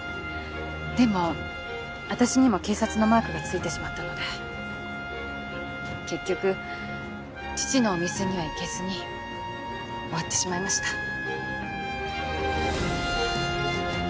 でも私にも警察のマークがついてしまったので結局父のお店には行けずに終わってしまいました。